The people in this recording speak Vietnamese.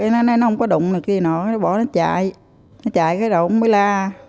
nó không có đụng được gì nữa nó bỏ nó chạy nó chạy cái đầu nó mới la